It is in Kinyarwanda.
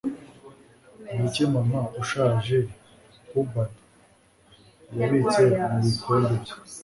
Niki mama ushaje hubbard yabitse mubikombe bye?